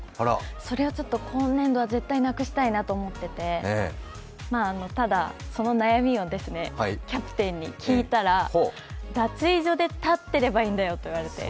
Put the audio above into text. それをちょっと今年度は絶対になくしたいなと思っていて、まあ、ただ、その悩みをキャプテンに聞いたら脱衣所で立ってればいいんだよって言われて。